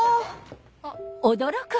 あっ。